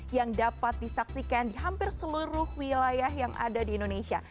yang dapat disaksikan di hampir seluruh wilayah yang ada di indonesia